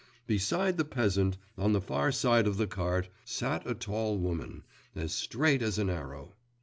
Beside the peasant, on the far side of the cart, sat a tall woman, as straight as an arrow.